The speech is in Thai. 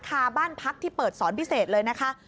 คาบ้านพักที่เปิดสอนพิเศษเลยนะคะ